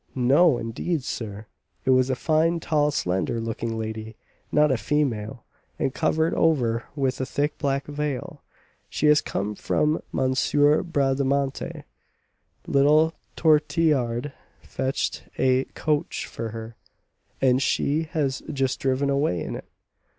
No indeed, sir, it was a fine, tall, slender looking lady, not a female, and covered over with a thick black veil. She has come from M. Bradamanti. Little Tortillard fetched a coach for her, and she has just driven away in it.